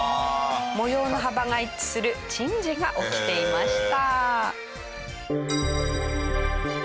模様の幅が一致する珍事が起きていました。